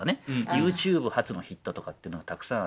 ＹｏｕＴｕｂｅ発のヒットとかっていうのがたくさんあって。